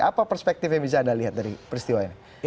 apa perspektif yang bisa anda lihat dari peristiwa ini